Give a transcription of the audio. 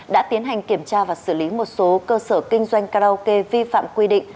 đã tiến hành kiểm tra và xử lý một số cơ sở kinh doanh karaoke vi phạm quy định